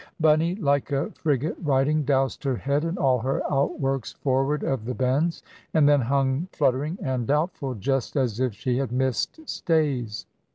Bunny, like a frigate riding, doused her head and all her outworks forward of the bends; and then hung fluttering and doubtful, just as if she had missed stays.